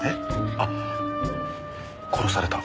あっ殺された？